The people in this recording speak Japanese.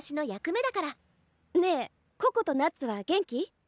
ねえココとナッツは元気？